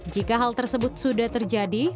jika hal tersebut sudah terjadi